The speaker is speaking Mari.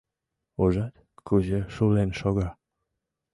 Ужат, кузе шулен шога...